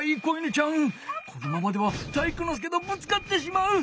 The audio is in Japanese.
このままでは体育ノ介とぶつかってしまう！